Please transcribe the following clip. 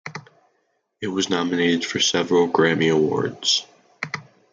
It was nominated for several Grammy Awards.